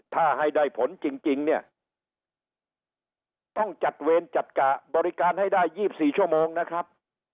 ถ้าให้ได้ผลจริงเนี่ยต้องจัดเวรจัดกะบริการให้ได้๒๔ชั่วโมงนะครับ